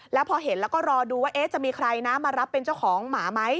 แล้วพอเห็นแล้วก็รอดูว่าจะมีใครนะมารับเป็นเจ้าของหมาไหม